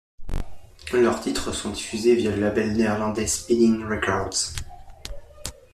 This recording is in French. Leurs titres sont diffusés via le label néerlandais Spinnin' Records.